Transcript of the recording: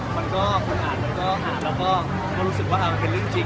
มันก็คนอ่านเราก็หาดเราก็รู้สึกว่าเป็นเรื่องจริง